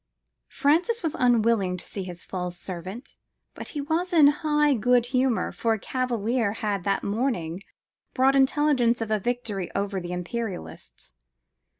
Francis was unwilling to see his false servant, but he was in high good humour, for a cavalier had that morning brought intelligence of a victory over the Imperialists.